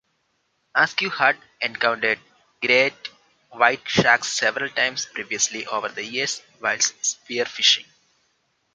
Askew had encountered Great White Sharks several times previously over the years whilst spear-fishing.